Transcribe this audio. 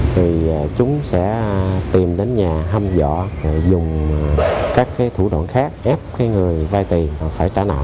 thì chúng sẽ tìm đến nhà hâm dọa dùng các thủ đoạn khác ép người vai tiền phải trả nợ